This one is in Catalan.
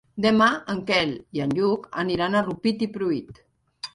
Demà en Quel i en Lluc aniran a Rupit i Pruit.